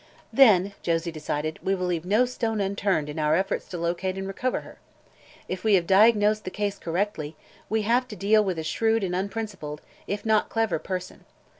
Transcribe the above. "Then," Josie decided, "we will leave no stone unturned in our efforts to locate and recover her. If we have diagnosed the case correctly, we have to deal with a shrewd and unprincipled, if not clever person.